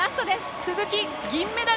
鈴木、銀メダル！